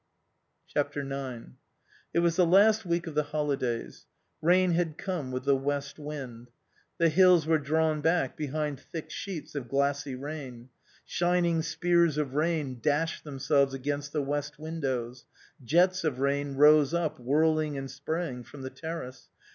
xi It was the last week of the holidays. Rain had come with the west wind. The hills were drawn back behind thick sheets of glassy rain. Shining spears of rain dashed themselves against the west windows. Jets of rain rose up, whirling and spraying, from the terrace.